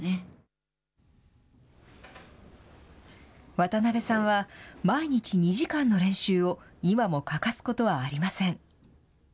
渡辺さんは、毎日２時間の練習を、今も欠かすことはありません。